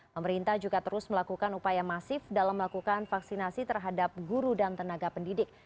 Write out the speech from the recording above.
pemerintah juga terus melakukan upaya masif dalam melakukan vaksinasi terhadap guru dan tenaga pendidik